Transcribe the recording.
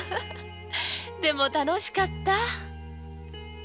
でも楽しかった。